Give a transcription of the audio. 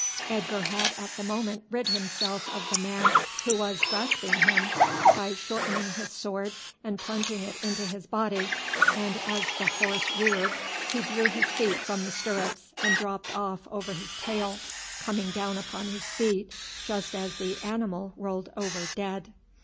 Edgar had at the moment rid himself of the man who was grasping him, by shortening his sword and plunging it into his body, and as the horse reared he drew his feet from the stirrups and dropped off over his tail, coming down upon his feet just as the animal rolled over dead.